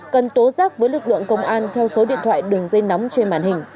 cần tố giác với lực lượng công an theo số điện thoại đường dây nóng trên màn hình